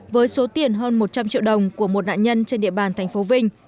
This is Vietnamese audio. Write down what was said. với số tiền hơn một trăm linh triệu đồng của một nạn nhân trên địa bàn tp vinh